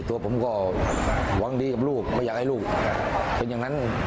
ตัวผมก็หวังดีกับลูกไม่อยากให้ลูกเป็นอย่างนั้น